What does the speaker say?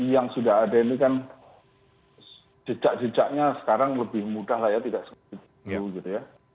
yang sudah ada ini kan jejak jejaknya sekarang lebih mudah lah ya tidak seperti itu gitu ya